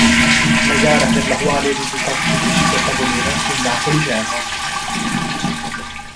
La gara per la quale il risultato fu deciso a tavolino fu Napoli-Genoa.